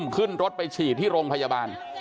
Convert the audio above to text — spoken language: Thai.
ขึ้นรถไปฉีดที่โรงพยาบาล